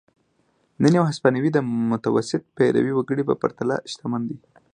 نن یو هسپانوی د متوسط پیرويي وګړي په پرتله شتمن دی.